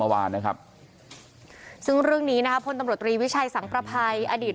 เมื่อวานนะครับซึ่งเรื่องนี้นะครับพลตำรวจตรีวิชัยสังประภัยอดีต